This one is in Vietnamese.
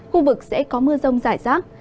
khu vực sẽ có mưa rồng giải rác